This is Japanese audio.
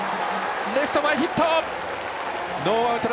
レフト前ヒット！